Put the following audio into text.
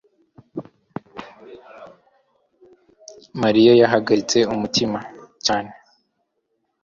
Mariya yahagaritse umutima cyane.